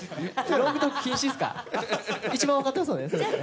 ロングトーク禁止ですか？